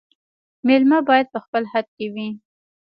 مېلمه باید په خپل حد کي وي